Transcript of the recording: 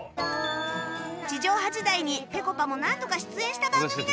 地上波時代にぺこぱも何度か出演した番組なんです